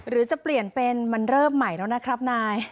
หรือจะเปลี่ยนเป็นมันเริ่มใหม่แล้วนะครับนาย